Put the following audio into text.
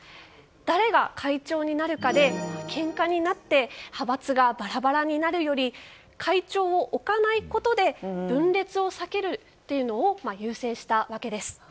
誰が会長になるかでけんかになって派閥がバラバラになるより会長を置かないことで分裂を避けることを優先したわけです。